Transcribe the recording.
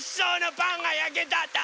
パンがやけたんだ！